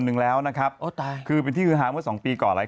หนึ่งแล้วนะครับโอ้ตายคือเป็นที่ฮือฮาเมื่อสองปีก่อนหลาย